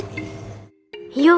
aduh gue pengen yum